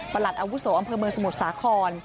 ประหลัดอาวุศว์อำเภอเมืองสมุทรสาคร